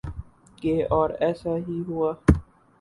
گے اور ایسا ہی ہوا۔